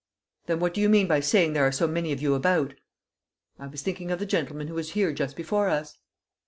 "Then what do you mean by saying there are so many of you about?" "I was thinking of the gentleman who was here just before us."